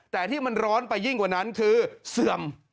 แต่ที่มันร้อนไปยิ่งกว่านั้นคือเสื่อม